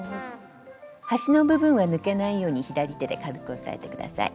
端の部分は抜けないように左手で軽く押さえて下さい。